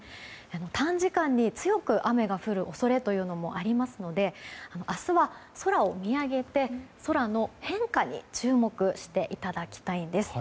短時間に強く雨が降る恐れもありますので明日は空を見上げて空の変化に注目していただきたいんです。